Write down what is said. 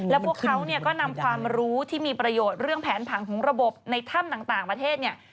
แล้วพวกเขาก็นำความรู้ที่มีประโยชน์เรื่องแผนผังของระบบในถ้ำต่างประเทศเนี่ย